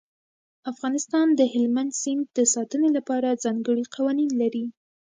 افغانستان د هلمند سیند د ساتنې لپاره ځانګړي قوانین لري.